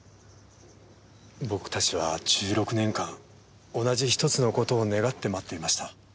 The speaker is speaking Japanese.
僕たちは１６年間同じひとつの事を願って待っていました。